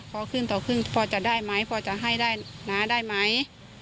พอขึ้นต่อครึ่งพอจะได้ไหมพอจะให้ได้น้าได้ไหม